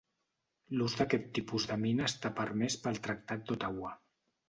L'ús d'aquest tipus de mina està permès pel Tractat d'Ottawa.